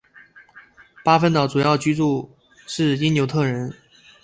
巴芬岛主要居民是因纽特人。